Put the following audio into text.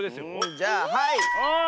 じゃあはい！